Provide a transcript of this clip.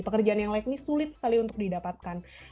pekerjaan yang layak ini sulit sekali untuk didapatkan